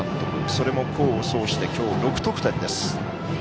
それも功を奏して今日６得点です。